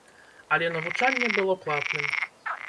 Але навучанне было платным.